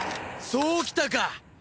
そうきたか！